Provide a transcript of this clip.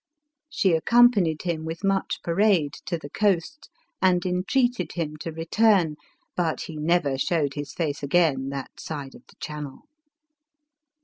She accompanied him, with much parade, to the coast, and entreated him to return, but he never showed his face again that side of the Channel.